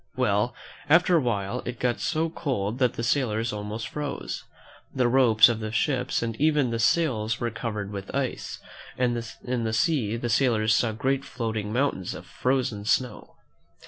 Well, after a while it got so cold that the sailors almost froze. The ropes of the ships and even the sails were covered with ice, and in the sea the sailors saw great floating mountains of frozen snow.